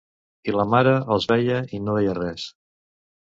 I la mare els veia i no deia res.